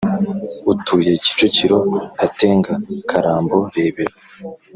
utuye Kicukiro Gatenga Karambo Rebero